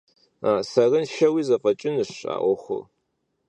Сэрыншэуи зэфӏэкӏынущ а ӏуэхур.